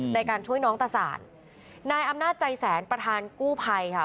ในการช่วยน้องตะสานนายอำนาจใจแสนประธานกู้ภัยค่ะ